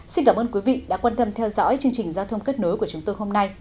xin cảm ơn quý vị đã quan tâm theo dõi chương trình giao thông kết nối của chúng tôi hôm nay